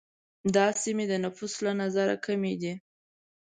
دا سیمې د نفوس له نظره کمي دي.